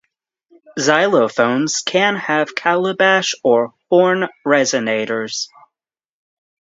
Xylophones can have calabash or horn resonators.